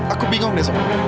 aku bingung deh sama